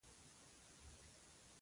ښځه له څاه اوبه راباسي.